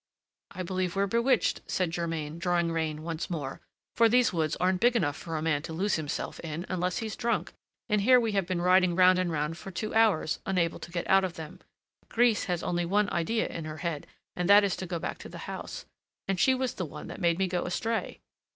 "I believe we're bewitched," said Germain, drawing rein once more: "for these woods aren't big enough for a man to lose himself in unless he's drunk, and here we have been riding round and round for two hours, unable to get out of them. Grise has only one idea in her head, and that is to go back to the house, and she was the one that made me go astray.